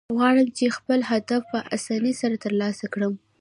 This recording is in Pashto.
غواړم، چي خپل هدف په آساني سره ترلاسه کړم.